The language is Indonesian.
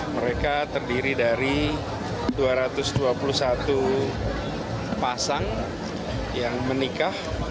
mereka terdiri dari dua ratus dua puluh satu pasang yang menikah